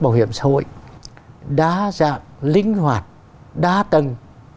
bảo hiểm xã hội đa dạng linh hoạt đa tầng